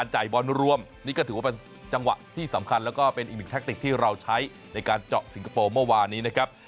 จ่ายบอลรวมนี่ก็ถือว่าเป็นจังหวะที่สำคัญแล้วก็เป็นอีกหนึ่งแทคติกที่เราใช้ในการเจาะสิงคโปร์เมื่อวานนี้นะครับ